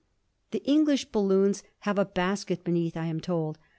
The English balloons have a basket beneath, I am told.